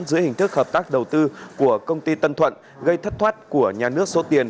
dưới hình thức hợp tác đầu tư của công ty tân thuận gây thất thoát của nhà nước số tiền